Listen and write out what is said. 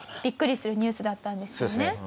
ビックリするニュースだったんですよね。